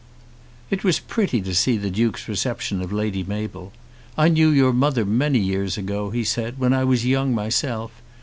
It was pretty to see the Duke's reception of Lady Mabel. "I knew your mother many years ago," he said, "when I was young myself.